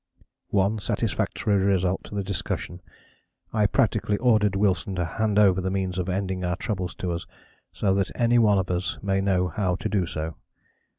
One satisfactory result to the discussion: I practically ordered Wilson to hand over the means of ending our troubles to us, so that any one of us may know how to do so.